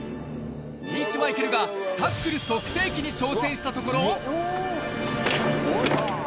リーチ・マイケルがタックル測定器に挑戦したところ。